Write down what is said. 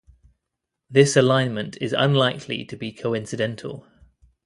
This alignment is unlikely to be coincidental.